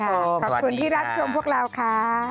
ขอบคุณที่รับชมพวกเราค่ะ